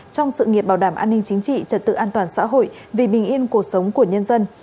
trong sự nghiệp bảo đảm an ninh chính trị trật tự an toàn xã hội vì bình yên cuộc sống của nhân dân